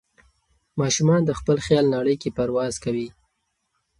ماشومان د خپل خیال نړۍ کې پرواز کوي.